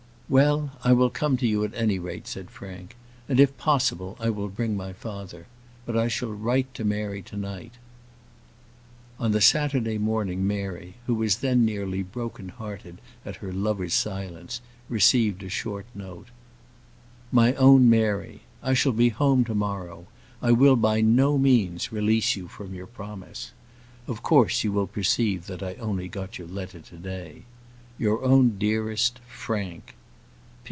"Well, I will come to you at any rate," said Frank; "and, if possible, I will bring my father. But I shall write to Mary to night." On the Saturday morning, Mary, who was then nearly broken hearted at her lover's silence, received a short note: MY OWN MARY, I shall be home to morrow. I will by no means release you from your promise. Of course you will perceive that I only got your letter to day. Your own dearest, FRANK.